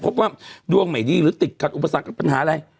พบว่าดวงไม่ดีหรือติดขัดอุปสรรคกับปัญหาอะไร